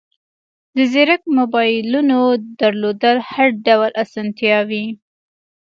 د زیرک موبایلونو درلودل هر ډول اسانتیاوې